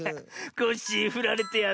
コッシーふられてやんの。